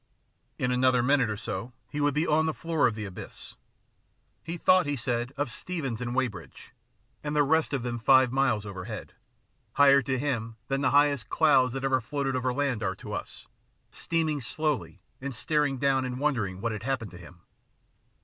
In another minute or so he would be on the floor of the abyss. He thought, he said, of Steevens and Weybridge and the rest of them five miles overhead, higher to him than the very highest clouds that ever floated over land are to us, steaming slowly and staring down and wondering what had happened to him.